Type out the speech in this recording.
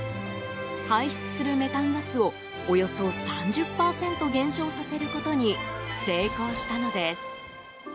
排出するメタンガスをおよそ３０％減少させることに成功したのです。